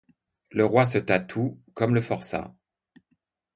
Le roi se tatoue, comme le forçat.